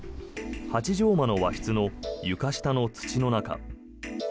８畳間の和室の床下の土の中。